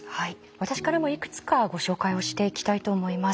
私からもいくつかご紹介をしていきたいと思います。